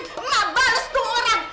biar mak bales tuh orang